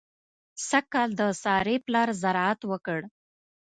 سږ کال د سارې پلار زراعت وکړ.